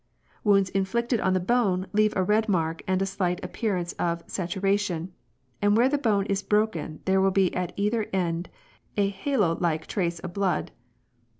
"Wounds inflicted on the bone leave a red mark and a slight appearance of saturation, and where the bone is broken there will be at either end a halo like trace of blood.